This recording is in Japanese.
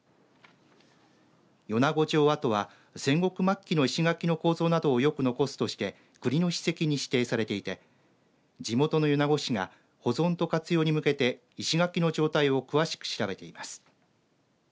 米子城跡は戦国末期の石垣の構造などをよく残しているとして国の史跡に指定されていて地元の米子市が保存と活用に向けて石垣の状態を詳しく調べています。